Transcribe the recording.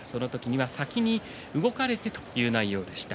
先に動かれたという内容でした。